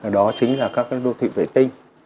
đó chính là các cái đô thị vệ tinh